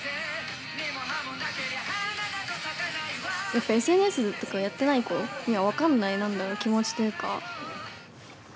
やっぱＳＮＳとかやってない子には分かんない何だろ気持ちというか。